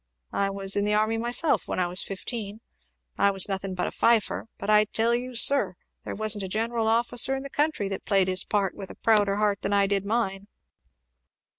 I was in the army myself when I was fifteen. I was nothing but a fifer but I tell you sir! there wasn't a general officer in the country that played his part with a prouder heart than I did mine!"